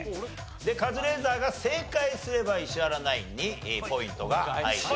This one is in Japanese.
でカズレーザーが正解すれば石原ナインにポイントが入ります。